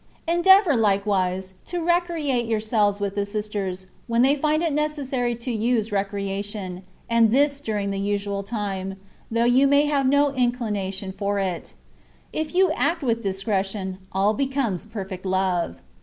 Endeavour likewise to recreate yourselves with the sisters, when they find it necessary to use re creation, and this during the usual time, though you may have no inclination for it : if you act with discretion, all becomes perfect love.